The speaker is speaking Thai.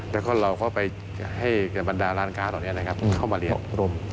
แล้วก็เราเข้าไปให้บรรดาร้านการต่อเนี่ยนะครับเข้ามาเรียน